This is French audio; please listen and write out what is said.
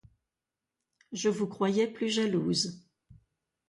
Je vous croyais plus jalouse.